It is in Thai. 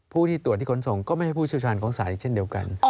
ผู้ที่ตรวจที่ขนส่งก็ไม่ใช่ผู้เชี่ยวชาญของศาลอีกเช่นเดียวกัน